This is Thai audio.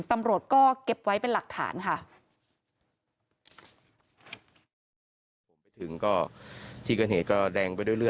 ตำรวจก็เก็บไว้เป็นหลักฐานค่ะ